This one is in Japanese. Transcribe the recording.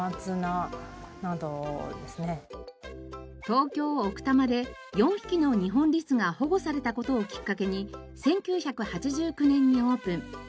東京奥多摩で４匹のニホンリスが保護された事をきっかけに１９８９年にオープン。